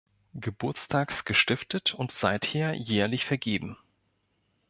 Geburtstags gestiftet und seither jährlich vergeben.